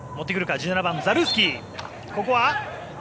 １７番のザルースキー。